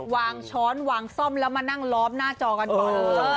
ช้อนวางซ่อมแล้วมานั่งล้อมหน้าจอกันก่อน